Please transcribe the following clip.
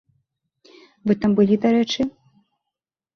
Вы там былі, дарэчы?